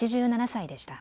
８７歳でした。